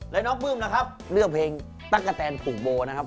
และน้องปลื้มนะครับเลือกเพลงตั๊กกะแตนผูกโบนะครับ